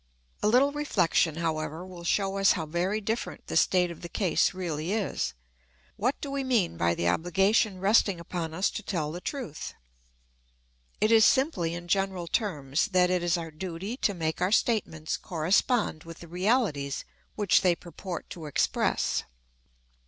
A little reflection, however, will show us how very different the state of the case really is. What do we mean by the obligation resting upon us to tell the truth? It is simply, in general terms, that it is our duty to make our statements correspond with the realities which they purport to express.